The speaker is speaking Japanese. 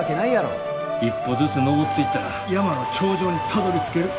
一歩ずつ登っていったら山の頂上にたどりつける。